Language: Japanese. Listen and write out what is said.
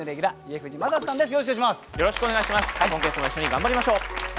今月も一緒に頑張りましょう。